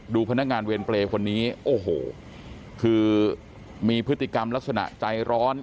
พนักงานเวรเปรย์คนนี้โอ้โหคือมีพฤติกรรมลักษณะใจร้อน